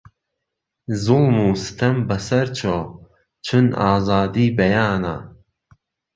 زوڵم و ستەم بە سەر چۆ چوون ئازادی بەیانە